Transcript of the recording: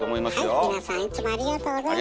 はい皆さんいつもありがとうございます。